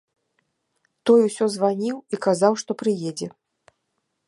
Той усё званіў і казаў, што прыедзе.